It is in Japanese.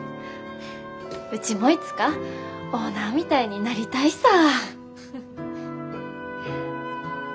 うちもいつかオーナーみたいになりたいさ。